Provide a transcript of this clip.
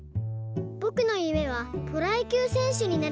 「ぼくのゆめはプロやきゅうせんしゅになることです。